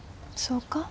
そうか？